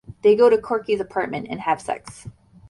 They go to Corky's apartment and have sex.